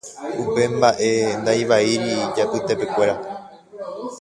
Upe mbaʼe ndaivaíri ijapytepekuéra.